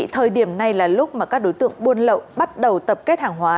thời điểm này là lúc mà các đối tượng buôn lậu bắt đầu tập kết hàng hóa